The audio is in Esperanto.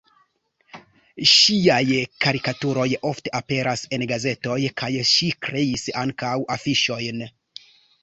Ŝiaj karikaturoj ofte aperis en gazetoj kaj ŝi kreis ankaŭ afiŝojn.